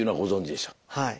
はい。